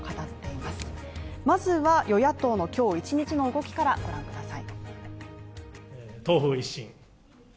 まずは与野党の今日一日の動きから御覧ください。